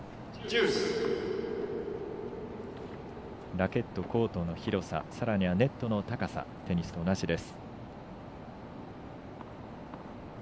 ラケット、コートの広ささらにはネットの高さテニスと同じです。